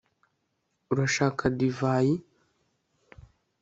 urashaka divayi